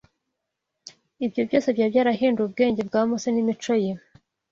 ibyo byose byari byarahinduye ubwenge bwa Mose n’imico ye